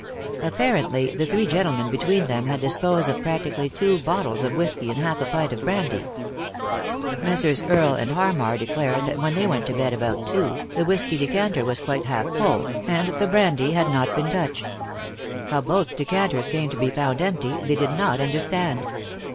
Apparently the three gentlemen between them had disposed of practically two bottles of whisky and half a pint of brandy. Messrs. Earle and Harmar 34 3i 9 iii^d by Google THE INTERRUPTED KISS declared that when they went to bed, about two, the whisky decanter was quite half fall, and the brandy had not been touched. How both decanters came to be found empty they did not understand.